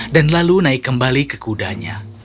dan lalu naik kembali ke kudanya